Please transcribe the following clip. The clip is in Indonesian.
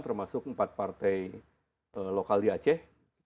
kemudian kita masuk ke empat partai lokal di aceh